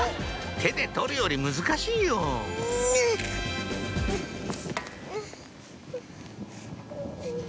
手で取るより難しいよん！